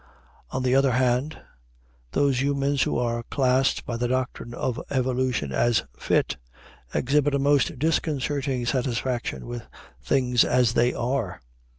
On the other hand, those humans who are classed by the doctrine of evolution as fit, exhibit a most disconcerting satisfaction with things as they are.